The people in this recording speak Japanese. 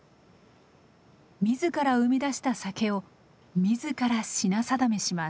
自ら生み出した酒を自ら品定めします。